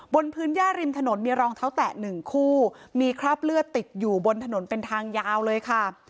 บนพื้นย่าริมถนนมีรองเท้าแตะหนึ่งคู่มีคราบเลือดติดอยู่บนถนนเป็นทางยาวเลยค่ะ